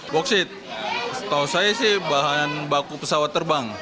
bauksit setahu saya sih bahan baku pesawat terbang